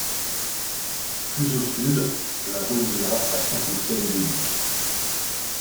Plus au sud, la relie la à Saint-Étienne-de-Vicq.